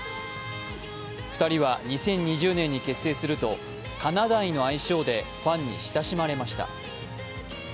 ２人は２０２０年に結成するとかなだいの愛称でファンに親しまれました。